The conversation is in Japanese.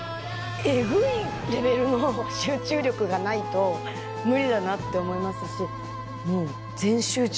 えぐいレベルの集中力がないと無理だなって思いますし。